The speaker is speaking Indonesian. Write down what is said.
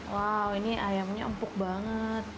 wow ini ayamnya empuk banget